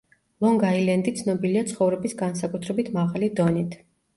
ლონგ-აილენდი ცნობილია ცხოვრების განსაკუთრებით მაღალი დონით.